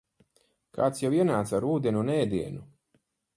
Kāds jau ienāca ar ūdeni un ēdienu.